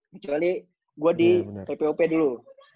kecuali gue di tpup dulu